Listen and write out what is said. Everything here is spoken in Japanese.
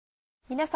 皆様。